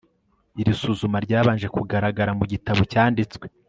iri suzuma ryabanje kugaragara mu gitabo cyanditswe